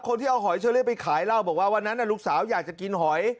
คนที่เอาหอยเชอรี่ไปขายเล่าบอกว่าวันนั้นลูกสาวอยากจะกินหอย